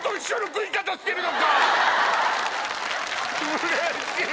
うれしい！